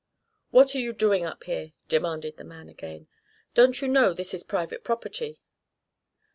"What are you doing up here?" demanded the man again. "Don't you know this is private property?"